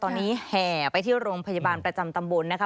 ตอนนี้แห่ไปที่โรงพยาบาลประจำตำบลนะคะ